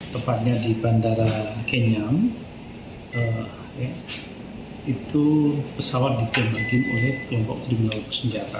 tepatnya di bandara kenyam itu pesawat ditembaki oleh kelompok yang menawar senjata